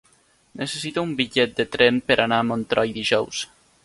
Necessito un bitllet de tren per anar a Montroi dijous.